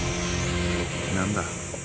何だ。